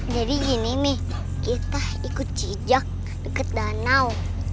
jadi gini mi kita ikut jejak deket danau